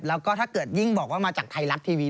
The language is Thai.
แล้วก็ถ้าเกิดยิ่งบอกว่ามาจากไทยรัฐทีวี